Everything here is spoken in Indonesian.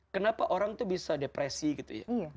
kenapa orang tuh bisa depresi gitu ya